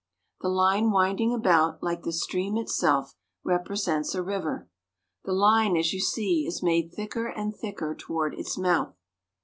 The line winding about, like the stream itself, represents a river. The line, as you see, is made thicker and thicker toward its mouth.